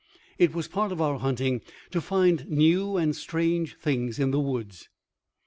It was part of our hunting to find new and strange things in the woods.